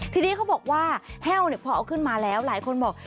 ทีนี้เขาบอกว่าแห้วพอเอาขึ้นมาแล้วหลายคนบอก